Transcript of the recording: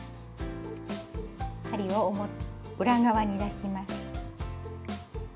針を裏側に出します。